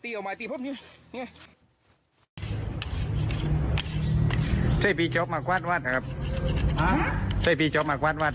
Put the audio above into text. เจ้าพี่เจ้ามาควาดวัดครับอ่าเจ้าพี่เจ้ามาควาดวัดน่ะ